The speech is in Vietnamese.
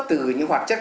từ những hoạt chất